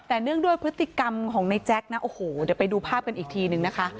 แต่เนื่องด้วยพฤติกรรมของในแจ๊คนะโอ้โหเดี๋ยวไปดูภาพกันอีกทีนึงนะคะ